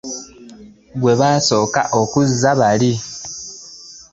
Ggwe basooka kukuzza bbali.